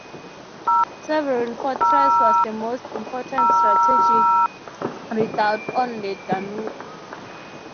Severin fortress was the most important strategic redoubt on the Danube.